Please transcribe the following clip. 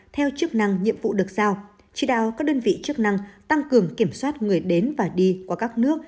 theo chức năng nhiệm vụ được giao chỉ đạo các đơn vị chức năng tăng cường kiểm soát người đến và đi qua các nước